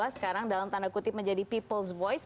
sekarang dalam tanda kutip menjadi people's voice